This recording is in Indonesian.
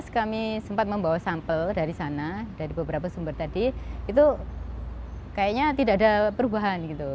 kami sempat membawa sampel dari sana dari beberapa sumber tadi itu kayaknya tidak ada perubahan gitu